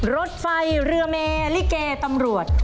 รถไฟเรือเมลิเกตำรวจ